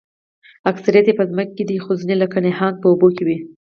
اکثریت یې په ځمکه دي خو ځینې لکه نهنګ په اوبو کې وي